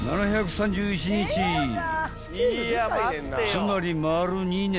［つまり丸２年］